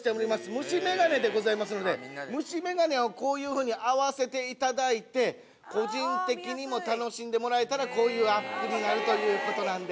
虫眼鏡でございますので虫眼鏡をこういうふうに合わせていただいて個人的にも楽しんでもらえたらこういうアップになるということなんで。